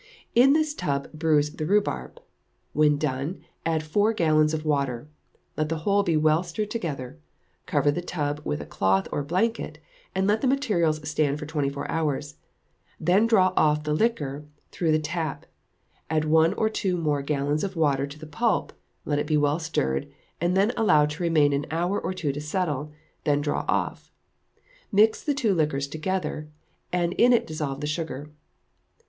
In this tub bruise the rhubarb; when done, add four gallons of water; let the whole be well stirred together; cover the tub with a cloth or blanket, and let the materials stand for twenty four hours; then draw off the liquor through the tap; add one or two more gallons of water to the pulp, let it be well stirred, and then allowed to remain an hour or two to settle, then draw off; mix the two liquors together, and in it dissolve the sugar.